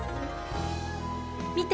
見て！